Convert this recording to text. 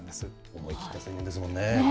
思い切った宣言ですもんね。